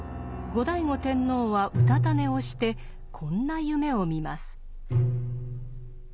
後醍醐天皇はうたた寝をしてこんな夢を見ます。